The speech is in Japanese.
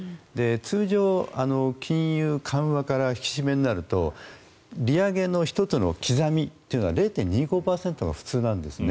通常、金融緩和から引き締めになると利上げの１つの刻みというのが０．２５％が普通なんですね。